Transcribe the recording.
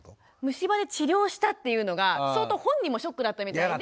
虫歯で治療したっていうのが相当本人もショックだったみたいで。